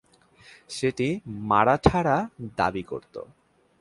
সেটি মারাঠারা দাবি করত।